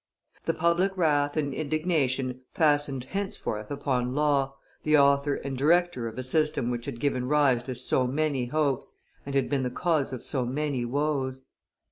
The public wrath and indignation fastened henceforth upon Law, the author and director of a system which had given rise to so many hopes, and had been the cause of so many woes.